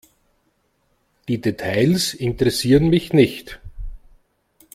Die Details interessieren mich nicht.